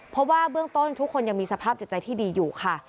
เพราะว่าเบื้องต้นทุกคนยังมีสภาพจิตใจที่ดีอยู่ค่ะ